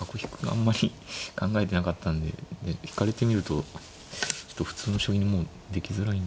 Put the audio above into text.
あんまり考えてなかったんで引かれてみるとちょっと普通の将棋にもうできづらいんで。